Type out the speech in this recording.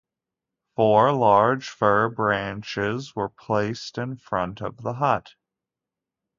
Four large fir-branches were placed in front of the hut.